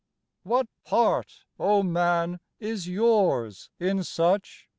What part, O man, is yours in such?